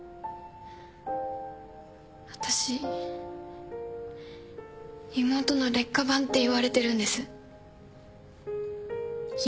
私妹の劣化版って言われてるんです。